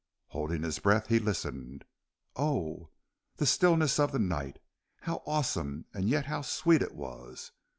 Holding his breath he listened. Oh, the stillness of the night! How awesome and yet how sweet it was!